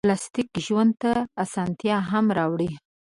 پلاستيک ژوند ته اسانتیا هم راوړي.